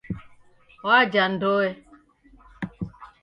Waja Ndoe.